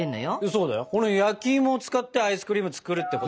そうだよこの焼き芋を使ってアイスクリーム作るってこと。